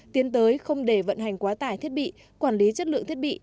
tiến tới không để vận hành quá tải thiết bị quản lý chất lượng thiết bị